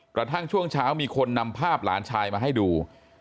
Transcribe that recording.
กระทั่งช่วงเช้ามีคนนำภาพหลานชายมาให้ดู